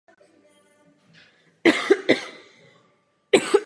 Je zde sídlo Římskokatolické farnosti Kaplice.